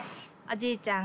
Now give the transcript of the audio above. おじいちゃん